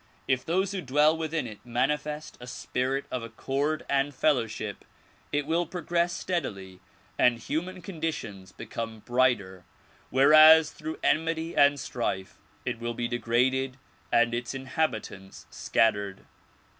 If those who dwell within it manifest a spirit of accord and fellowship it will progress steadily and human conditions become brighter whereas through enmity and strife it will be degraded and its inhabitants scattered.